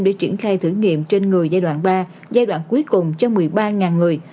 để triển khai thử nghiệm trên người giai đoạn ba giai đoạn cuối cùng cho một mươi ba người